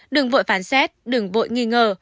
đừng vội phán xét đừng vội nghi ngờ